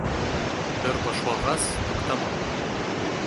— Бер башлағас, туҡтама